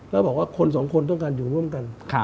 แล้วบอกว่าคนสองคนต้องการอยู่ร่วมกัน